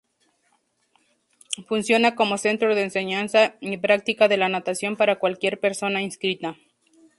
Funciona como centro de enseñanza y práctica de la natación para cualquier persona inscrita.